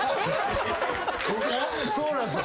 そうなんすよ。